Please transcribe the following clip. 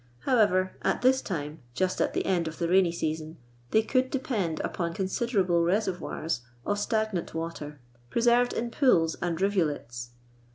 However, at this time, just at the end of the rainy season, they could depend upon considerable reservoirs o. stagnant water, preserved in pools and rivu lets.